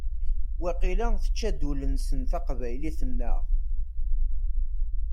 Waqila tečča-d ul-nsen teqbaylit-nneɣ.